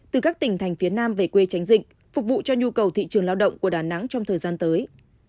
từ các tỉnh thành phía nam về quê tránh dịch phục vụ cho nhu cầu thị trường lao động của đà nẵng trong thời gian tới